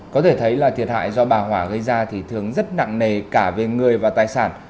có thể thấy là thiệt hại do bà hỏa gây ra thì thường rất nặng nề cả về người và tài sản